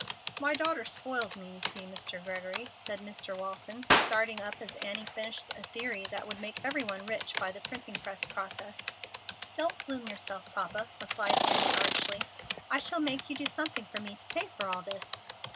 "My daughter spoils me, you see, Mr. Gregory," said Mr. Walton, starting up as Annie finished a theory that would make every one rich by the printing press process, "Don't plume yourself, papa," replied Annie, archly; "I shall make you do something for me to pay for all this."